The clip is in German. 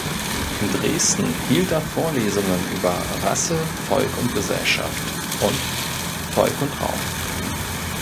In Dresden hielt er Vorlesungen über „Rasse, Volk und Gesellschaft“ und „Volk und Raum“.